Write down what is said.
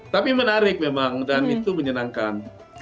tapi menarik memang dan itu menyenangkan